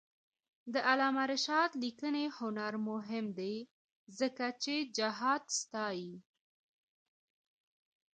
د علامه رشاد لیکنی هنر مهم دی ځکه چې جهاد ستايي.